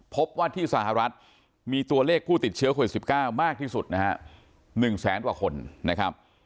พบว่าที่สหรัฐมีตัวเลขผู้ติดเชื้อโควิด๑๙มากที่สุดนะฮะ๑แสนกว่าคนนะครับ